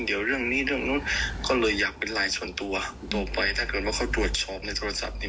เดี๋ยวเรื่องนี้เรื่องนู้นก็เลยอยากเป็นไลน์ส่วนตัวต่อไปถ้าเกิดว่าเขาตรวจสอบในโทรศัพท์เนี่ย